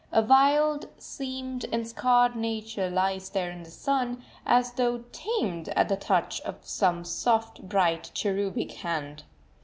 A wild, seamed, and scarred nature lies there in the sun, as though tamed at the touch of some soft, bright, cherubic hand.